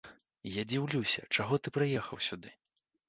Я дзіўлюся, чаго ты прыехаў сюды.